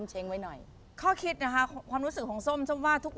หนังสือ๑๒ราศีค่ะ